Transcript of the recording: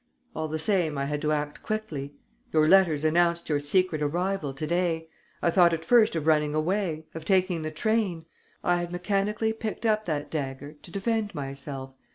All the same, I had to act quickly; your letters announced your secret arrival to day.... I thought at first of running away, of taking the train.... I had mechanically picked up that dagger, to defend myself....